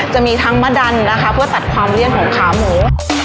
จะมีทั้งมะดันนะคะเพื่อตัดความเลี่ยนของขาหมู